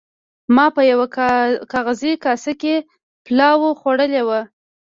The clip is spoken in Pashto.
ما په یوه کاغذي کاسه کې پلاو خوړلی و.